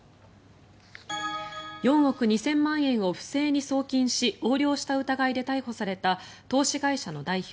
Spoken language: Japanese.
４億２０００万円を不正に送金し横領した疑いで逮捕された投資会社の代表